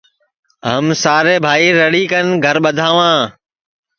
ہم سارے بھائی رَݪی کن گھرا ٻدھاواں